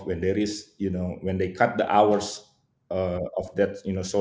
ketika mereka menghentikan jam